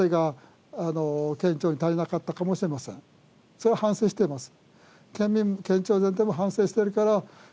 それは反省しています